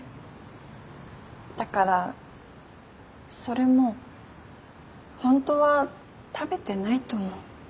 だからそれも本当は食べてないと思う。